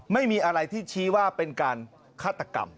ไม่มีอะไรที่ชี้ว่าเป็นการฆาตกรรม